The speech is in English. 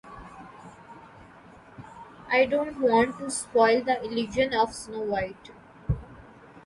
I don't want to spoil the illusion of Snow White.